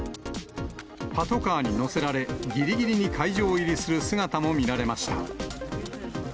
パトカーに乗せられ、ぎりぎりに会場入りする姿も見られました。